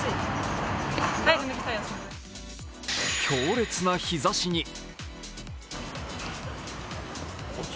強烈な日ざしに